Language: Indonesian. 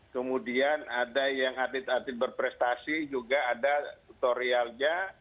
kemudian ada yang atlet atlet berprestasi juga ada tutorialnya